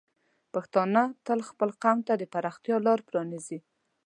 پښتانه تل خپل قوم ته د پراختیا لار پرانیزي.